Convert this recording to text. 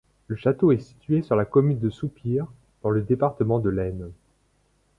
Le château est situé sur la commune de Soupir, dans le département de l'Aisne.